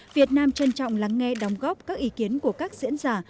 việt nam trân trọng lắng nghe đóng góp các ý kiến của các diễn giả